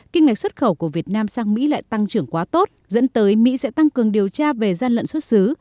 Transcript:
kinh ngạch xuất khẩu của việt nam sang mỹ lại tăng trưởng quá tốt dẫn tới mỹ sẽ tăng cường điều tra về gian lận xuất xứ